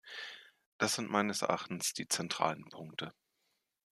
Das sind meines Erachtens die zentralen Punkte.